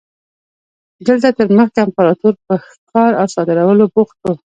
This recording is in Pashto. دلته تر مخکې امپراتور په ښکار او صادرولو بوخت و.